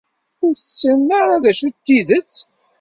Ur tessineḍ ara d acu i d tidet?